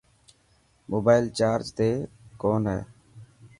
موبائل چارج تي ڪون هي.